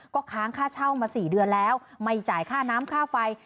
ก็ค้างค่าเช่ามา๔เดือนแล้วไม่จ่ายค่าน้ำค่าไฟ